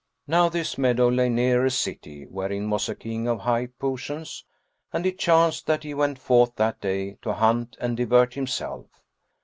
Now this meadow lay near a city wherein was a King of high puissance, and it chanced that he went forth that day to hunt and divert himself.